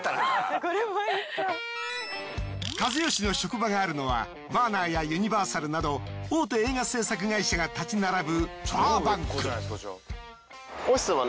ＫＡＺＵＹＯＳＨＩの職場があるのはワーナーやユニバーサルなど大手映画製作会社が建ち並ぶバーバンク。